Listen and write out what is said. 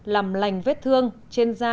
làm lành vết thương trên da